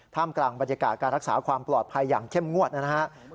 กลางบรรยากาศการรักษาความปลอดภัยอย่างเข้มงวดนะครับ